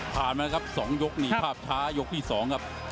ผ่านมาสองยุคนี้ขาบช้ายกที่สองครับ